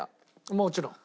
もちろん。